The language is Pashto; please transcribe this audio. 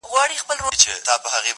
اشنا!!!!!